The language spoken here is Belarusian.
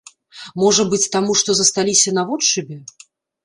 Можа быць, таму, што засталіся наводшыбе?